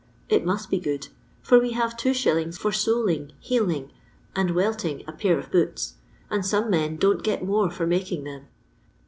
It must be good, for we have 2f. for soling, heeling, and weltiug a pair of boots ; and some men don't get more for making them.